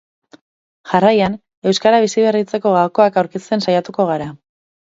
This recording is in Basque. Jarraian, euskara biziberritzeko gakoak aurkitzen saiatuko gara.